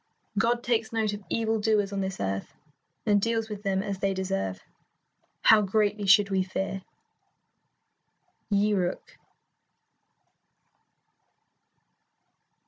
God takes note of evil doers on this earth, and deals with them as they deserve. How greatly should we fear! Yi Ryuk.